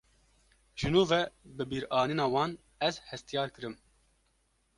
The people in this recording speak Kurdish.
Ji nû ve bibîranîna wan, ez hestyar kirim